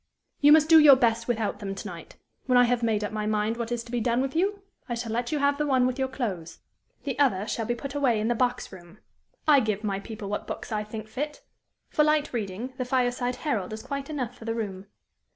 "You must do your best without them to night. When I have made up my mind what is to be done with you, I shall let you have the one with your clothes; the other shall be put away in the box room. I give my people what books I think fit. For light reading, the 'Fireside Herald' is quite enough for the room.